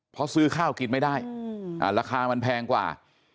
เพราะซื้อข้าวกินไม่ได้ราคามันแพงกว่า